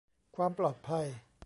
ความปลอดภัย